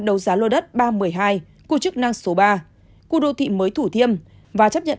đấu giá lô đất ba trăm một mươi hai khu chức năng số ba khu đô thị mới thủ thiêm và chấp nhận